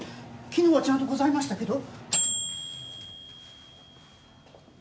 昨日はちゃんとございましたけど。